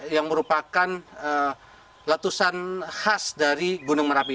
yang merupakan letusan khas dari gunung merapi